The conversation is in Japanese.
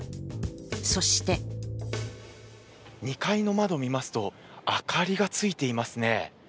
そして２階の窓を見ますと明かりがついていますね。